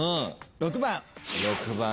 ６番。